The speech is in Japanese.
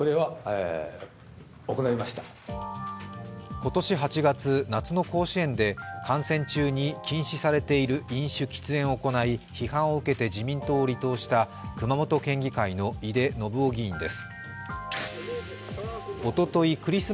今年８月、夏の甲子園で観戦中に禁止されている喫煙・飲酒を行い批判を受けて自民党を離党した熊本県議会の井手順雄県議です。